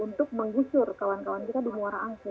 untuk menggusur kawan kawan kita di muara angke